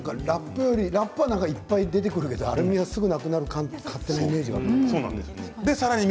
ラップはいっぱい出てくるけどアルミはすぐなくなるイメージがある勝手に。